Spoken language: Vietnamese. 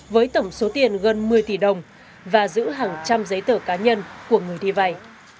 với tổng số tiền gần một mươi tỷ đồng và giữ hàng trăm giấy tờ cá nhân của người đi vay